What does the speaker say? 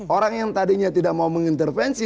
orang yang tadinya tidak mau mengintervensi